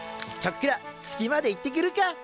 「ちょっくら月まで行ってくるか」